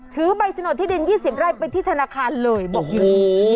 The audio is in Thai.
ถือใบสนุนที่ดินยี่สิบได้ไปที่ธนาคารเลยโอ้โห